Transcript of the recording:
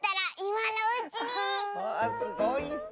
わあすごいッス！